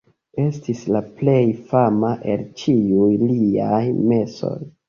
Estis la plej fama el ĉiuj liaj mesoj.